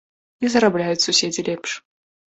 І зарабляюць суседзі лепш.